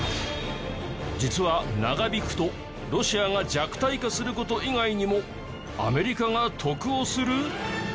実は長引くとロシアが弱体化する事以外にもアメリカが得をする？